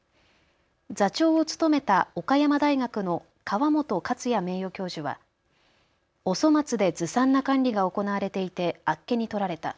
座長を務めた岡山大学の川本克也名誉教授はお粗末でずさんな管理が行われていてあっけにとられた。